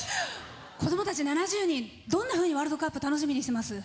子どもたち７０人どんなふうにワールドカップを楽しみにしてます？